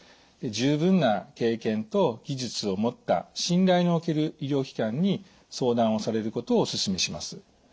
十分な経験と技術を持った信頼の置ける医療機関に相談をされることをお勧めします。